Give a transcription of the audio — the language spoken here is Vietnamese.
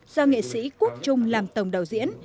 do nghệ sĩ quốc trung làm tổng đầu diễn